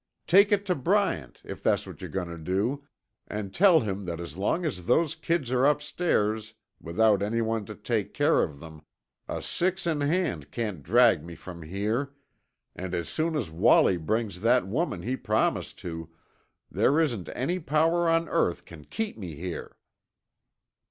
"Take it to Bryant, if that's what you're going to do, and tell him that as long as those kids are upstairs, without anyone to take care of them, a six in hand can't drag me from here, and as soon as Wallie brings that woman he promised to, there isn't any power on earth can keep me here."